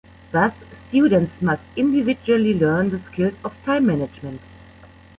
Thus, students must individually learn the skills of time management.